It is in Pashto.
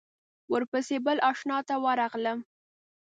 ورپسې بل آشنا ته ورغلم.